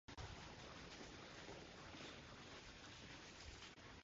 The company made their own bricks for the houses and industrial buildings.